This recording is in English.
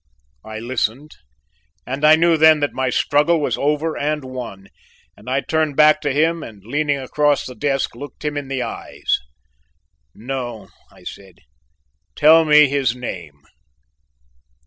I listened and I knew then that my struggle was over and won, and I turned back to him and leaning across the desk looked him in the eyes: "No," I said; "tell me his name."